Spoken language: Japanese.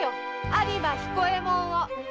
有馬彦右衛門を。